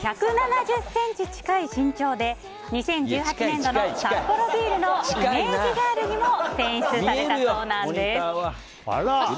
１７０ｃｍ近い身長で２０１８年度のサッポロビールのイメージガールにも選出されたそうなんです。